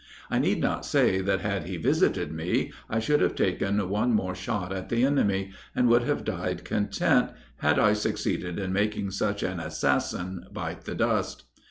I need not say that had he visited me I should have taken one more shot at the enemy, and would have died content, had I succeeded in making such an assassin bite the dust.